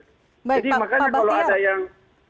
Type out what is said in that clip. jadi makanya kalau ada yang